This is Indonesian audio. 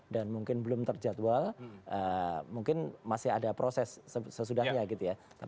mungkin belum terjadwal mungkin masih ada proses sesudahnya gitu ya